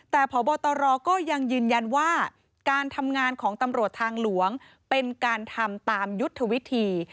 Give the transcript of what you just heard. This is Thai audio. แต่พบตรก็ยังยืนยันว่าการทำงานของตำรวจทางหลวงเป็นการทำตามยุทธวิธี